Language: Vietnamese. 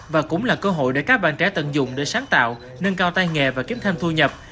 và trẻ tận dụng để sáng tạo nâng cao tay nghề và kiếm thêm thu nhập